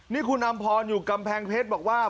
นี่คุณอำพรอยู่กำแพงเพชรบอกว่า